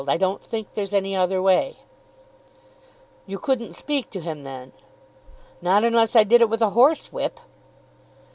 I don't think there's any other way." "You couldn't speak to him, then?" "Not unless I did it with a horsewhip."